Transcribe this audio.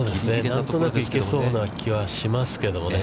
何となく行けそうな気がしますね。